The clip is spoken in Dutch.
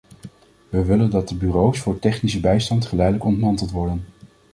We willen dat de bureaus voor technische bijstand geleidelijk ontmanteld worden.